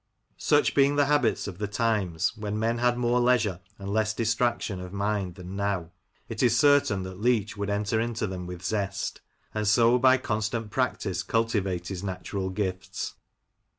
" Such being the habits of the times, when men had more leisure and less distraction of mind than now, it is certain that Leach would enter into them with zest, and so by con stant practice cultivate his natural gifts.